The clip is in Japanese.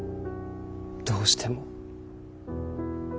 どうしても。